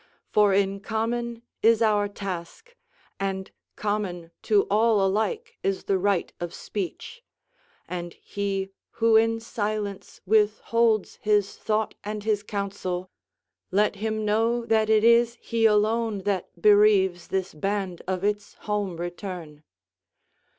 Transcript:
For in common is our task, and common to all alike is the right of speech; and he who in silence withholds his thought and his counsel, let him know that it is he alone that bereaves this band of its home return.